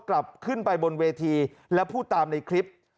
กลับขึ้นไปบนเวทีแล้วพูดตามในคลิป